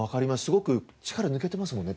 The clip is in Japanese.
すごく力抜けてますもんね。